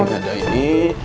ada ini ada ini